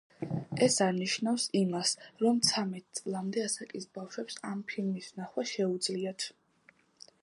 ეს არ ნიშნავს იმას, რომ ცამეტ წლამდე ასაკის ბავშვებს ამ ფილმის ნახვა შეუძლიათ.